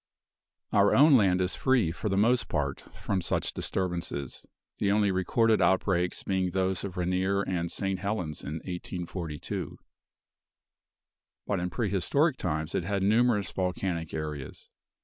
Our own land is free, for the most part, from such disturbances; the only recorded outbreaks being those of Rainier and St. Helens, in 1842. But in prehistoric times it had numerous volcanic areas.